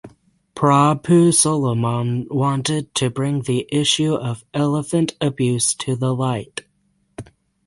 Prabhu Solomon wanted to bring the issue of elephant abuse to the light.